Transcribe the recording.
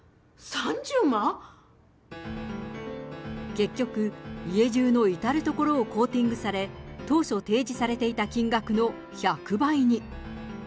結局、家じゅうの至る所をコーティングされ、当初、提示されていた金額の１００倍に。